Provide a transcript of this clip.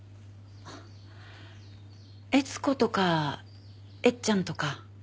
悦子とかエッちゃんとか。